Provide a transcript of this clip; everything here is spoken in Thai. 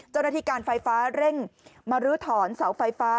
เจ้าหน้าที่การไฟฟ้าเร่งมารื้อถอนเสาไฟฟ้า